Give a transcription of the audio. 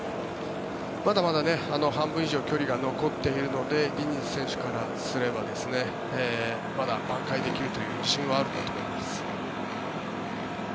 まだまだ半分以上距離が残っているのでディニズ選手からすればまだばん回できるという自信はあるんだと思います。